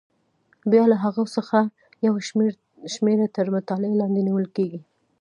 بیا له هغو څخه یوه شمېره تر مطالعې لاندې نیول کېږي.